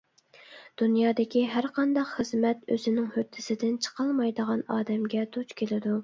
دۇنيادىكى ھەرقانداق خىزمەت، ئۆزىنىڭ ھۆددىسىدىن چىقالمايدىغان ئادەمگە دۇچ كېلىدۇ.